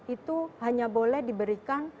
itu hanya boleh diberikan